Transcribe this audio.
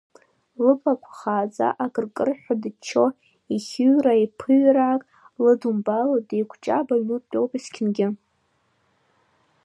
Лыблақәа хааӡа, акыр-кырҳәа дыччо, еихьыҩрра-еиԥыҩррак лыдумбало, деиқәҷаб аҩны дтәоуп есқьынагьы…